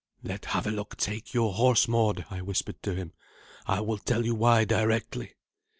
"Let Havelok take your horse, Mord," I whispered to him; "I will tell you why directly."